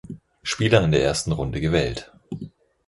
Spieler in der ersten Runde gewählt.